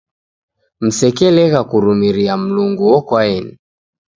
Msekelegha kurumiria Mlungu okwaeni.